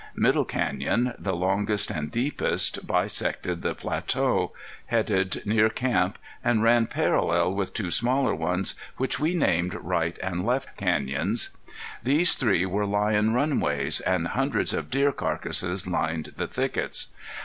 Middle Canyon, the longest and deepest, bisected the plateau, headed near camp, and ran parallel with two smaller ones, which we named Right and Left Canyons. These three were lion runways and hundreds of deer carcasses lined the thickets.